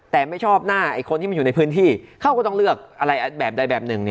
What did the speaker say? แต่ไม่ชอบหน้าไอ้คนที่มันอยู่ในพื้นที่เขาก็ต้องเลือกอะไรแบบใดแบบหนึ่ง